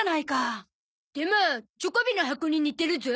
でもチョコビの箱に似てるゾ。